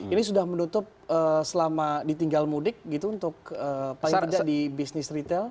ini sudah menutup selama ditinggal mudik gitu untuk paling tidak di bisnis retail